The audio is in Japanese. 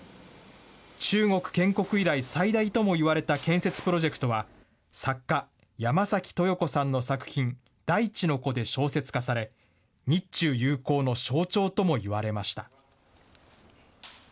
中国建国以来最大ともいわれた建設プロジェクトは、作家、山崎豊子さんの作品、大地の子で小説化され、日中友好の象徴ともいわれました。